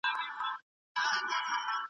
آیا هنر او ادبیات د ټولنې هنداره ده؟